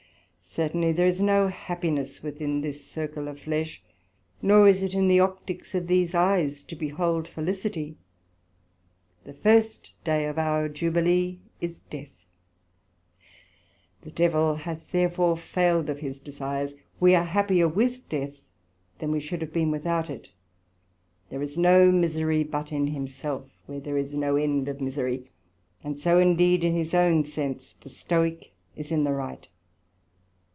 Certainly there is no happiness within this circle of flesh, nor is it in the Opticks of these eyes to behold felicity; the first day of our Jubilee is Death; the Devil hath therefore failed of his desires; we are happier with death than we should have been without it: there is no misery but in himself, where there is no end of misery; and so indeed in his own sense the Stoick is in the right.